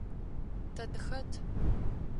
Тэ тыхэт?